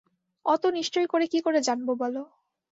অত নিশ্চয় করে কী করে জানব বলো।